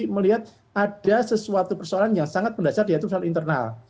melihat ada sesuatu persoalan yang sangat mendasar yaitu soal internal